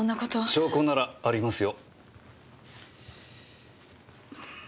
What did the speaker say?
証拠ならありますよ。